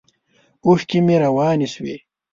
اوښکې مې روانې شوې.